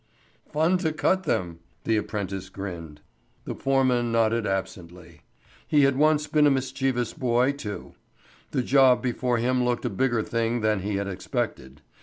"Fun to cut them," the apprentice grinned. The foreman nodded absently. He had once been a mischievous boy, too. The job before him looked a bigger thing than he had expected.